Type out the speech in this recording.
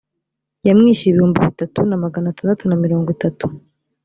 yamwishyuye ibihumbi bitatu na magana atandatu na mirongo itatu